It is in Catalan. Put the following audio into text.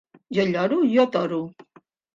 Jo lloro, jo toro.